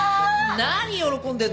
何喜んでるの？